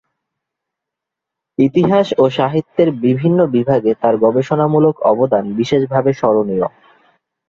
ইতিহাস ও সাহিত্যের বিভিন্ন বিভাগে তার গবেষণামূলক অবদান বিশেষভাবে স্মরণীয়।